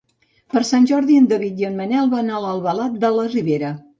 Per Sant Jordi en David i en Manel van a Albalat de la Ribera.